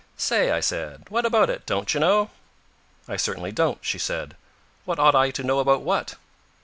"Say," I said. "What about it, don't you know?" "I certainly don't," she said. "What ought I to know about what?"